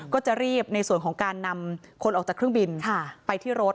ก็จะรีบในส่วนของการนำคนออกจากเครื่องบินไปที่รถ